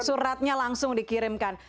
suratnya langsung dikirimkan